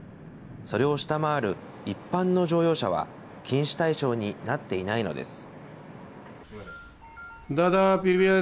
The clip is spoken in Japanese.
それを下回る一般の乗用車は禁止対象になっていないのです。